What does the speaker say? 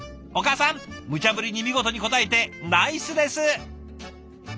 お母さんむちゃぶりに見事に応えてナイスです。